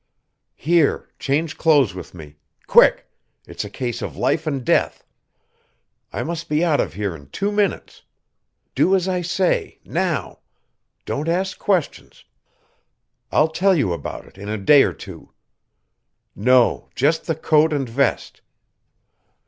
"Here, change clothes with me. Quick! It's a case of life and death. I must be out of here in two minutes. Do as I say, now. Don't ask questions. I'll tell you about it in a day or two. No, just the coat and vest.